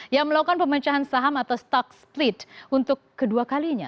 yang melakukan pemecahan saham atau stock split untuk kedua kalinya